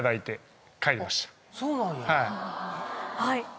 はい。